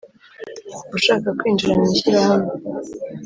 Ushaka kwinjira mu ishyirahamwe